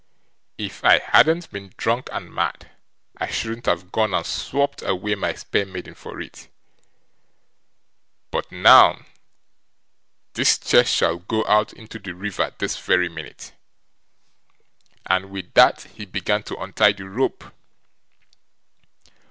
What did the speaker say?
If I hadn't been drunk and mad, I shouldn't have gone and swopped away my spae maiden for it. But now this chest shall go out into the river this very minute." And with that he began to untie the rope.